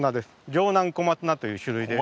城南小松菜という種類です。